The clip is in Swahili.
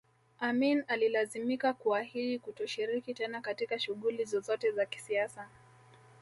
Amin alilazimika kuahidi kutoshiriki tena katika shughuli zozote za kisiasa